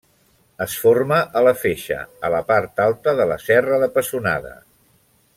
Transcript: Es forma a la Feixa, a la part alta de la Serra de Pessonada.